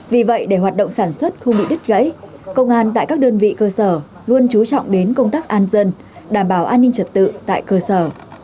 vì vậy để hoạt động sản xuất không bị đứt gãy công an tại các đơn vị cơ sở luôn trú trọng đến công tác an dân đảm bảo an ninh trật tự tại cơ sở